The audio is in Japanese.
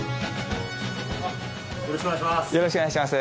よろしくお願いします。